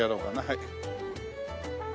はい。